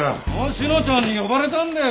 志乃ちゃんに呼ばれたんだよ